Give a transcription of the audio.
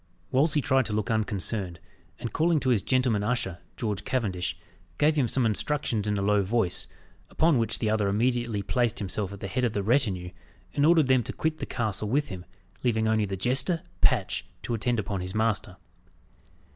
Wolsey tried to look unconcerned, and calling to his gentleman usher, George Cavendish, gave him some instructions in a low voice, upon which the other immediately placed himself at the head of the retinue, and ordered them to quit the castle with him, leaving only the jester, Patch, to attend upon his master.